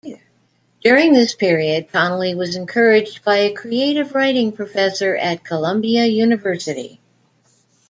During this period Connelly was encouraged by a creative writing professor at Columbia University.